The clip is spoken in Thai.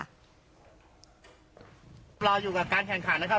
รออยู่กับการแข่งขันนะครับ